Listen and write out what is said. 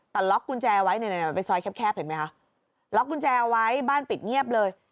แต่ล็อกกุญแจไว้เป็นซอยแคบเห็นไหมคะล็อกกุญแจเอาไว้บ้านปิดเงียบเลย